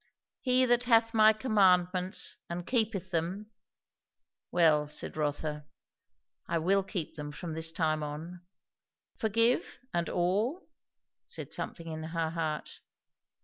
"He that hath my commandments and keepeth them " Well, said Rotha, I will keep them from this time on. Forgive and all? said something in her heart.